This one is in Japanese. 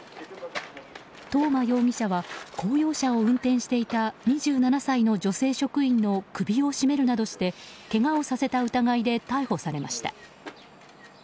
東間容疑者は公用車を運転していた２７歳の女性職員を首を絞めるなどしてけがをさせた疑いで逮捕されました。